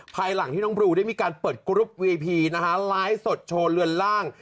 ภายหลังที่น้องบลูได้มีการเปิดกรุ๊ปวีพีนะฮะไลฟ์สดโชว์เรือนล่าง